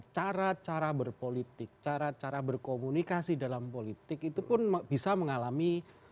cara cara berpolitik cara cara berkomunikasi dalam politik itu pun bisa mengalami